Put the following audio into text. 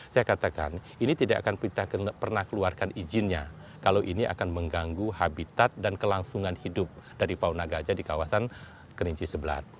saya katakan ini tidak akan kita pernah keluarkan izinnya kalau ini akan mengganggu habitat dan kelangsungan hidup dari fauna gajah di kawasan kerinci sebelah